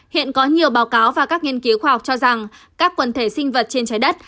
hiện có nhiều báo cáo và các nghiên cứu khoa học cho rằng các quần thể sinh vật trên trái đất